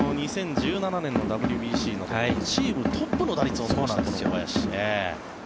２０１７年のＷＢＣチームトップの打率を誇った小林。